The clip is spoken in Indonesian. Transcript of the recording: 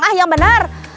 ah yang benar